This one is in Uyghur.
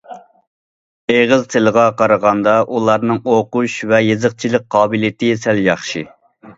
ئېغىز تىلىغا قارىغاندا ئۇلارنىڭ ئوقۇش ۋە يېزىقچىلىق قابىلىيىتى سەل ياخشى.